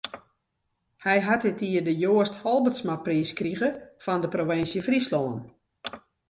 Hy hat dit jier de Joast Halbertsmapriis krige fan de Provinsje Fryslân.